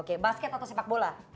oke basket atau sepak bola